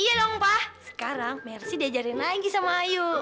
iya lho pak sekarang mersi diajarin lagi sama ayu